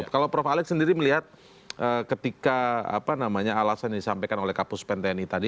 kalau prof alex sendiri melihat ketika alasan yang disampaikan oleh kapus penteni tadi